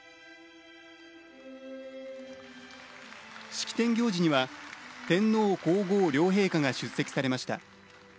式典行事には天皇皇后両陛下が出席されました。